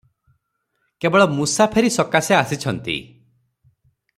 କେବଳ ମୂସାଫେରି ସକାଶେ ଆସିଛନ୍ତି ।